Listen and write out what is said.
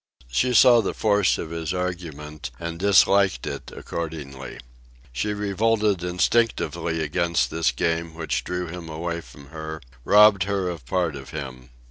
She saw the force of his argument and disliked it accordingly. She revolted instinctively against this Game which drew him away from her, robbed her of part of him.